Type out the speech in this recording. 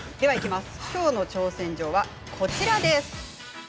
きょうの挑戦状は、こちらです。